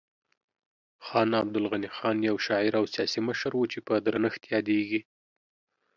خان عبدالغني خان یو شاعر او سیاسي مشر و چې په درنښت یادیږي.